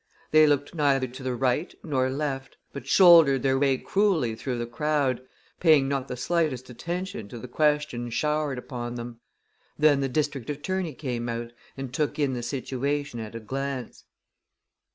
They looked neither to the right nor left, but shouldered their way cruelly through the crowd, paying not the slightest attention to the questions showered upon them. Then the district attorney came out, and took in the situation at a glance.